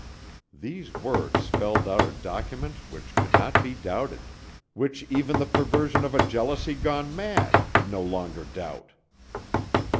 These words spelled out a document which could not be doubted, which even the perversion of a jealousy gone mad could no longer doubt.